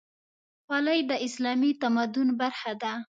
خولۍ د اسلامي تمدن برخه ده.